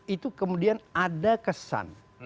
itu kemudian ada kesan